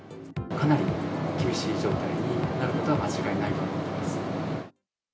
かなり厳しい状態になることは間違いないと思います。